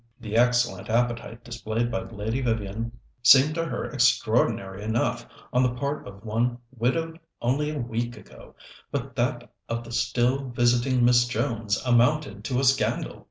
The excellent appetite displayed by Lady Vivian seemed to her extraordinary enough on the part of one widowed only a week ago, but that of the still visiting Miss Jones amounted to a scandal.